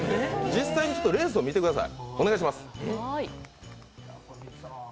実際にレースを見てください。